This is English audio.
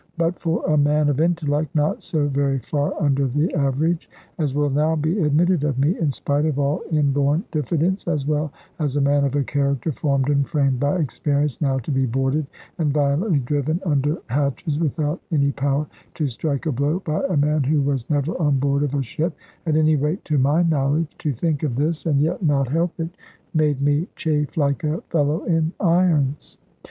But for a man of intellect not so very far under the average as will now be admitted of me, in spite of all inborn diffidence as well as a man of a character formed and framed by experience, now to be boarded and violently driven under hatches, without any power to strike a blow, by a man who was never on board of a ship at any rate to my knowledge; to think of this and yet not help it, made me chafe like a fellow in irons.